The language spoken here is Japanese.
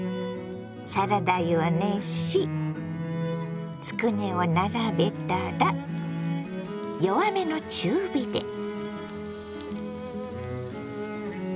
サラダ油を熱しつくねを並べたら弱めの中火で。